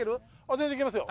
全然いけますよ。